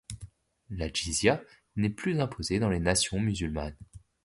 La djizîa n'est plus imposée dans les nations musulmanes.